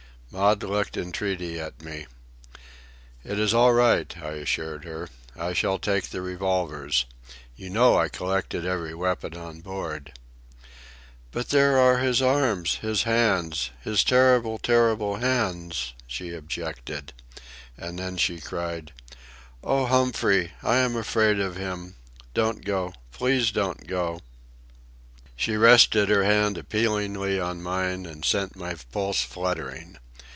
Maud looked entreaty at me. "It is all right," I assured her. "I shall take the revolvers. You know I collected every weapon on board." "But there are his arms, his hands, his terrible, terrible hands!" she objected. And then she cried, "Oh, Humphrey, I am afraid of him! Don't go—please don't go!" She rested her hand appealingly on mine, and sent my pulse fluttering.